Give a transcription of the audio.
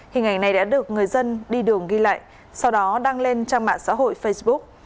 hình ảnh này đã được người dân đi đường ghi lại sau đó đăng lên trang mạng xã hội facebook